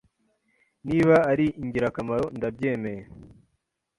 niba ari ingirakamaro ndabyemeye